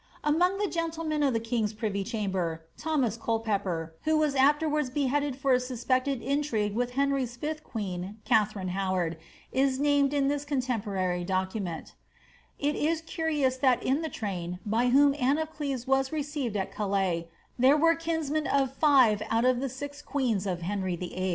Among the gentlemen of the king^s privy chamber, Thomas Culpep per, who was afterwards beheaded for a suspected intrigue with Henry's fifth queen, Katharine Howard, is named in this contemporary document It is curious that in the train, by wliom Anne of Cleves was received at Calais, there were kinsmen of five out of the six queens of Henry VIII.